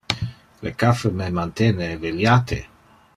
Le caffe me mantene eveliate.